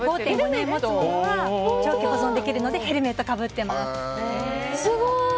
５．５年もつものは長期保存できるのでヘルメットをかぶってます。